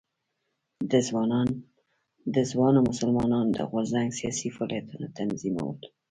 د ځوانو مسلمانانو د غورځنګ سیاسي فعالیتونه تنظیمول.